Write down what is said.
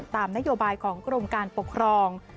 ตามนโยบายของกรมการปกครอง